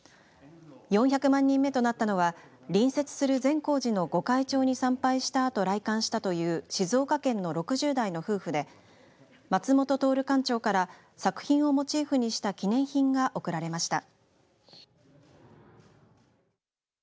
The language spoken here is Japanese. ４００万人目となったのは隣接する善光寺の御開帳に参拝したあと来館したという静岡県の６０代の夫婦で松本透館長から作品をモチーフにした記念品が贈られました。